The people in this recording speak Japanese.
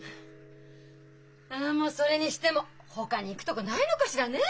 ああもうそれにしてもほかに行くとこないのかしらね？